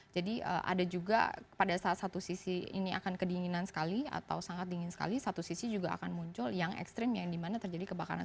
jadi ada juga pada saat satu sisi ini akan kedinginan sekali atau sangat dingin sekali satu sisi juga akan muncul yang ekstrim yang dimana terjadi kebakaran